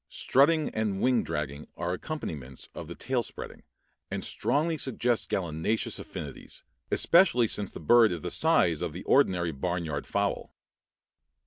Strutting and wing dragging are accompaniments of the tail spreading, and strongly suggest gallinaceous affinities, especially since the bird is the size of the ordinary barn yard fowl.